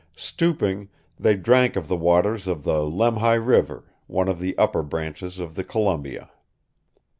Stooping, they drank of the waters of the Lemhi River, one of the upper branches of the Columbia.